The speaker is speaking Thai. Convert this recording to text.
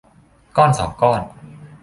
ก้อนสองก้อน